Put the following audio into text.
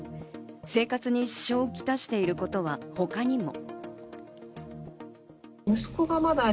生活に支障をきたしていることは他にも。